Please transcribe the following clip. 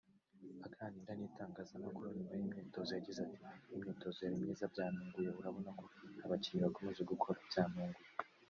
Aganira n’itangazamakuru nyuma y’imyitozo yagize ati ”Imyitozo yari myiza byantunguye urabona ko abakinnyi bakomeje bakora byantunguye